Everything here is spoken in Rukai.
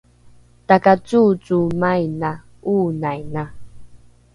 takacoocomaina ’oonaina